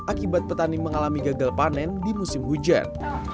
akibat petani mengalami gagal panen di musim hujan